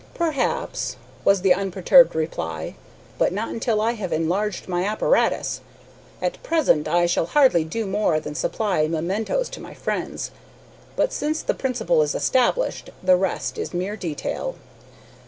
"Perhaps," was the unperturbed reply, "but not until I have enlarged my apparatus. At present I shall hardly do more than supply mementoes to my friends. But since the principle is established, the rest is mere detail."